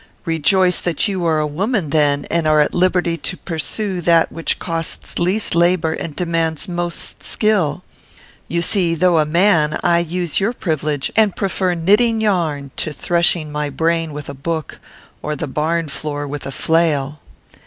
"'Rejoice that you are a woman, then, and are at liberty to pursue that which costs least labour and demands most skill. You see, though a man, I use your privilege, and prefer knitting yarn to threshing my brain with a book or the barn floor with a flail.'